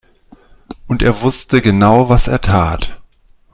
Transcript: Und er wusste genau, was er tat.